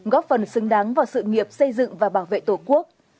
góp phần xứng đáng vào sự nghiệp xây dựng và bảo vệ tổ quốc